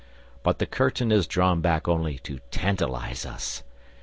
But the curtain is drawn back only to tantalise us.